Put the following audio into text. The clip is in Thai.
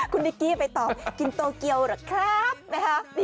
คุณนิกกี้ไปตอบกินโตเกียวเหรอครับนะฮะ